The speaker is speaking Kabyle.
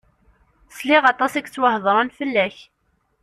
Sliɣ aṭas i yettwahedren fell-ak.